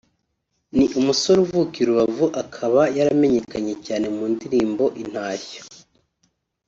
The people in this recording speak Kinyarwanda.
ni umusore uvuka i Rubavu akaba yaramenyekanye cyane mu ndirimbo ’Intashyo’